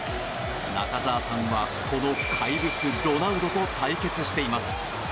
中澤さんは、この怪物ロナウドと対決しています。